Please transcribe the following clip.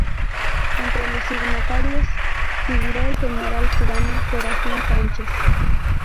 Entre los signatarios figuró el general cubano Serafín Sánchez.